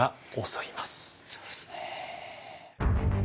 そうですね。